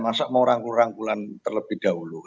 masa mau rangkul rangkulan terlebih dahulu